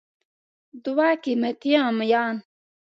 دوه قیمتي غمیان